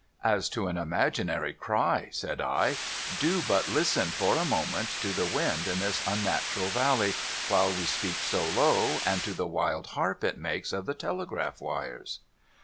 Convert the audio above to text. ' As to an imaginary cry,' said I, * do but listen for a moment to the wind in this unnatural valley while we speak so low, and to the wild harp it makes of the telegraph wires.'